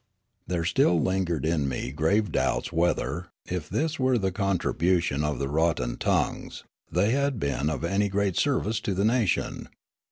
There still lingered in me grave doubts whether, it this were the contribution of the rotten tongues, they had been of anj' great service to the nation.